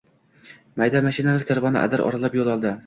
Mayda mashinalar karvoni adir oralab yo‘l oldi.